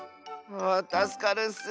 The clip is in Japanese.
ああたすかるッス！